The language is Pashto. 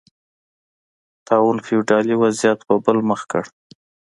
طاعون فیوډالي وضعیت په بل مخ کړ.